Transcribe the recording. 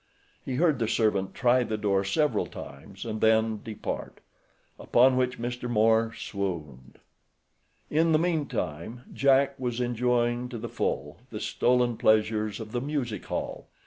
He heard the servant try the door several times and then depart. Upon which Mr. Moore swooned. In the meantime Jack was enjoying to the full the stolen pleasures of the music hall.